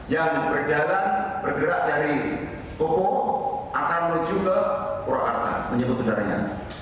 yang berjalan bergerak dari opo akan menuju ke purwakarta menyebut saudaranya